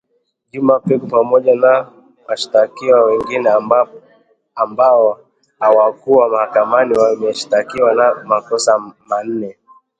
Juma Peku pamoja na washtakiwa wengine ambao hawakuwa mahakamani wameshtakiwa kwa makosa manne